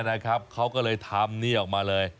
เพราะฉะนั้นเขาก็เลยทำนี่ออกมาเลย